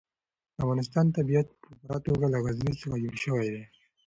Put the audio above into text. د افغانستان طبیعت په پوره توګه له غزني څخه جوړ شوی دی.